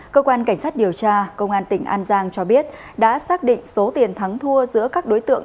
cơ quan cảnh sát điều tra công an tỉnh an giang cho biết đã xác định số tiền thắng thua giữa các đối tượng